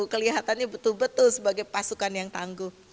kelihatannya betul betul sebagai pasukan yang tangguh